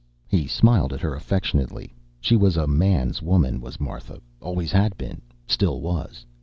He smiled at her affectionately. She was a man's woman, was Martha always had been, still was.